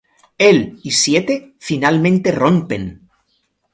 Él y Siete finalmente rompen.